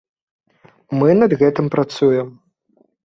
Мы над гэтым працуем.